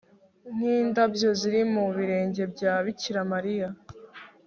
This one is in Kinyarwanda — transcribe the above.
nk'indabyo ziri ku birenge bya bikira mariya